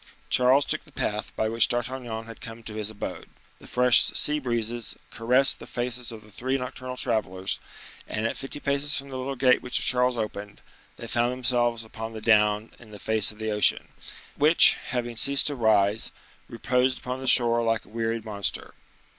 Charles took the path by which D'Artagnan had come to his abode; the fresh sea breezes soon caressed the faces of the three nocturnal travelers, and, at fifty paces from the little gate which Charles opened, they found themselves upon the down in the face of the ocean, which, having ceased to rise, reposed upon the shore like a wearied monster.